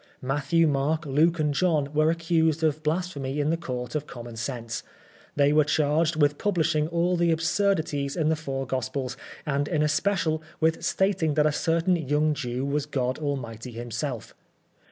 Matthew, Mark, Luke and John were accused of blasphemy in the Court of Common Sense. They were charged with publishing all the absurdities in the four gospels, and in especial with stating that a certain young Jew was God Almighty himself.